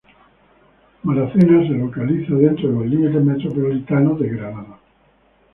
Cove se localiza dentro de los límites metropolitanos de la ciudad de Logan.